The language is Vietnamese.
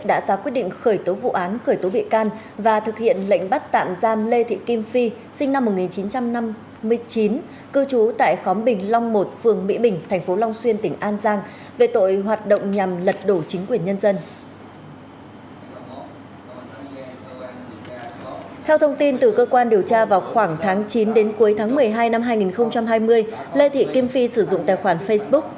đến cuối tháng một mươi hai năm hai nghìn hai mươi lê thị kim phi sử dụng tài khoản facebook